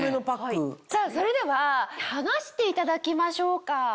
さぁそれでは剥がしていただきましょうか。